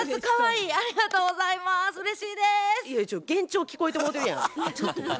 いや幻聴聞こえてもうてるやん。